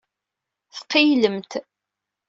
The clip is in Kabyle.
Tqeyylemt.